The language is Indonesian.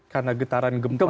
karena getaran gempa susulan